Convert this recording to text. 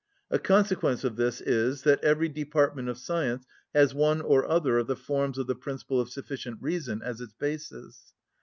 A consequence of this is, that every department of science has one or other of the forms of the principle of sufficient reason as its basis.